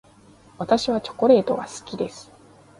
私はチョコレートが好きです。